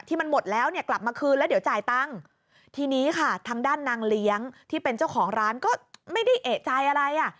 มันหมดแล้วเนี่ยกลับมาคืนแล้วเดี๋ยวจ่ายตังค์ทีนี้ค่ะทางด้านนางเลี้ยงที่เป็นเจ้าของร้านก็ไม่ได้เอกใจอะไรอ่ะ